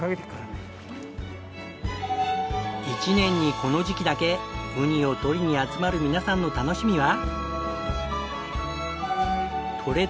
１年にこの時期だけウニを獲りに集まる皆さんの楽しみは。